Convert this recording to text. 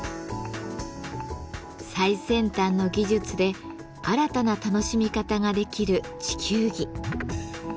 最先端の技術で新たな楽しみ方ができる地球儀。